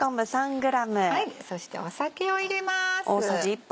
そして酒を入れます。